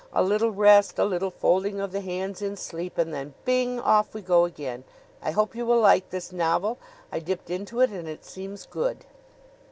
A little rest, a little folding of the hands in sleep, and then bing! off we go again. I hope you will like this novel. I dipped into it and it seems good."